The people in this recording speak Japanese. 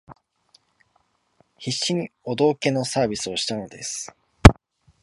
必死のお道化のサービスをしたのです